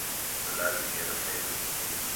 Vladimir Petrov